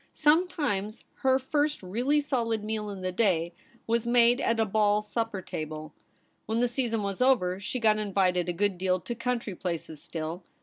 Sometimes her first really solid meal in the day was made at a ball supper table. When the season was over, she got invited a good deal to country places still.